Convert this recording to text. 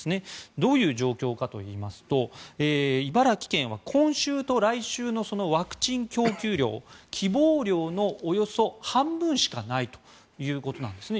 どういう状況かといいますと茨城県は今週と来週のワクチン供給量希望量のおよそ半分しかないということなんですね。